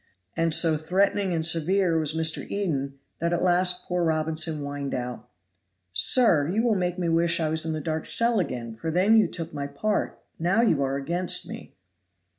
And so threatening and severe was Mr. Eden, that at last poor Robinson whined out: "Sir, you will make me wish I was in the dark cell again, for then you took my part; now you are against me."